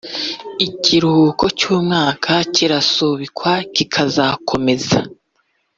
ikiruhuko cy umwaka kirasubikwa kikazakomeza